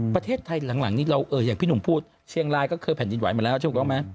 ประเทศไทยหลังนี้เราอย่างพี่หนุ่มพูดเชียงรายก็เคยแผ่นดินไหวมาแล้วถูกต้องไหม